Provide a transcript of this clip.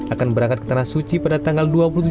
akan berangkat ke tanah suci pada tanggal dua maret